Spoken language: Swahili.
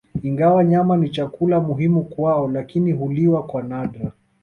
Ingawa nyama ni chakula muhimu kwao lakini huliwa kwa nadra